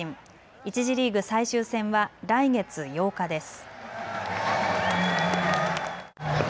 １次リーグ最終戦は来月８日です。